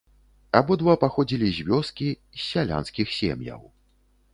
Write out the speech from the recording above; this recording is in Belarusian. Абодва паходзілі з вёскі, з сялянскіх сем'яў.